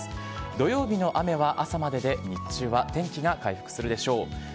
土曜日の雨は朝までで、日中は天気が回復するでしょう。